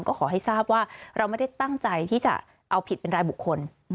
ก็ขอให้ทราบว่าเราไม่ได้ตั้งใจที่จะเอาผิดเป็นรายบุคคล